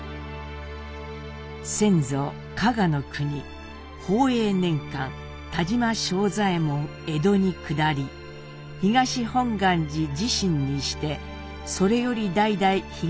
「先祖加賀国宝永年間田島庄左衛門江戸に下り東本願寺侍臣にしてそれより代々東本願寺に仕え」。